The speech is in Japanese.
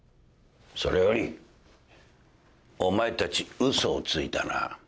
それよりお前たち嘘をついたな。